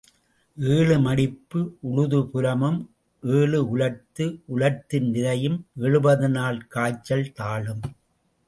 ஏழு மடிப்பு உழுத புலமும் ஏழு உலர்த்து உலர்த்தின விதையும் எழுபதுநாள் காய்ச்சல் தாளும்.